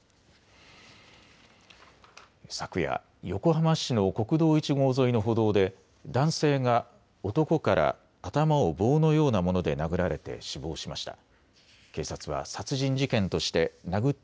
昨夜、横浜市の国道１号沿いの歩道で男性が男から頭を棒のようなもので殴られて死亡しました。